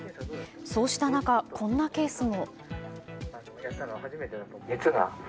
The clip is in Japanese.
そうした中、こんなケースも。